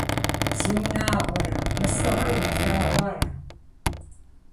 Зиунагъуэрэ, мы сӀыгъыр умылъагъуу ара?!